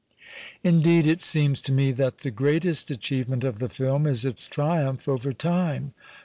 Indeed, it seems to me that the greatest achieve ment of the film is its triumph over time.